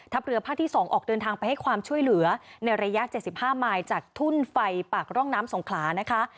เรือภาคที่๒ออกเดินทางไปให้ความช่วยเหลือในระยะ๗๕มายจากทุ่นไฟปากร่องน้ำสงขลานะคะ